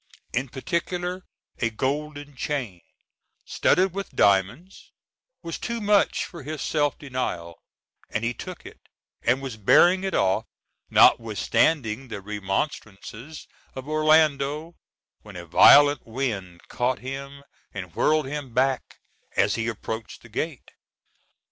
In particular a golden chain, studded with diamonds, was too much for his self denial, and he took it and was bearing it off, notwithstanding the remonstrances of Orlando, when a violent wind caught him and whirled him back, as he approached the gate.